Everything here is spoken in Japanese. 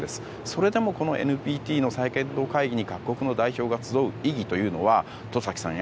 それでもこのＮＰＴの再検討会議に各国の代表が集う意義というのは戸崎さん